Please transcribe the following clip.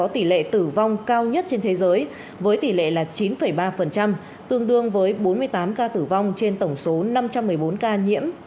tỷ lệ tử vong cao nhất trên thế giới với tỷ lệ là chín ba tương đương với bốn mươi tám ca tử vong trên tổng số năm trăm một mươi bốn ca nhiễm